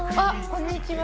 こんにちは。